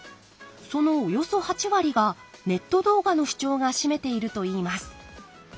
そのおよそ８割がネット動画の視聴が占めているといいます。